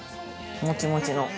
もちもちの。